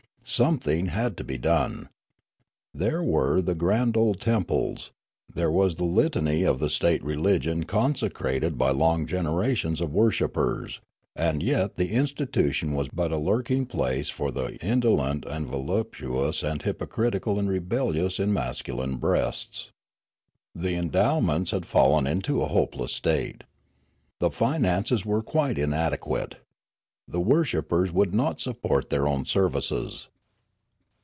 Some thing had to be done. There were the grand old temples; there was the litany of the state religion con secrated b}^ long generations of worshippers; and yet the institution was but a lurking place for the indo lent and voluptuous and hypocritical and rebellious in masculine breasts. The endowments had fallen into a hopeless state. The finances were quite inadequate. The worshippers would not support their own services.